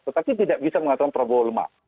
tetapi tidak bisa mengatakan prabowo lemah